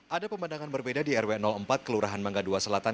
ada pemandangan berbeda di rw empat kelurahan mangga dua selatan